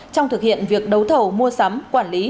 trong thực hiện việc đấu thầu mua sắm quản lý